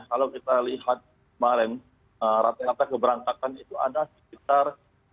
kalau kita lihat kemarin rata rata keberangkatan itu ada sekitar tiga puluh enam